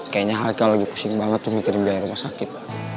kayaknya harga lagi pusing banget tuh mikirin biaya rumah sakit